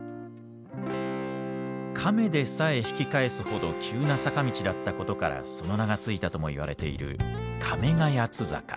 亀でさえ引き返すほど急な坂道だったことからその名が付いたともいわれている亀ヶ谷坂。